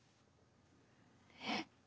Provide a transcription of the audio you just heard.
えっ。